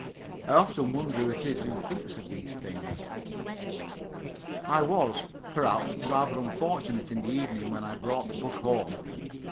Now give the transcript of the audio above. I often wonder who it is who thinks of these things. I was, perhaps, rather unfortunate in the evening when I brought the book home.